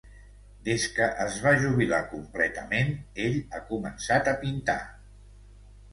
Des que es va jubilar completament, ell ha començat a pintar.